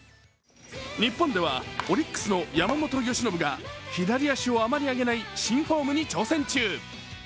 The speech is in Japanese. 日本ではオリックスの山本由伸が左足をあまり上げない新フォームに挑戦なか。